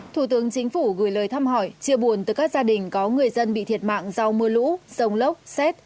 thủ tướng chính phủ gửi lời thăm hỏi chia buồn tới các gia đình có người dân bị thiệt mạng do mưa lũ rông lốc xét